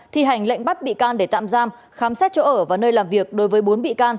thi hành lệnh bắt bị can để tạm giam khám xét chỗ ở và nơi làm việc đối với bốn bị can